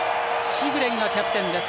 シグレンがキャプテンです。